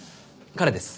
彼です。